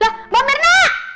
lah bang merna